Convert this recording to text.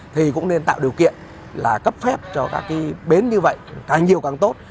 thì cũng nên tạo điều kiện cấp phép cho các bến như vậy càng nhiều càng tốt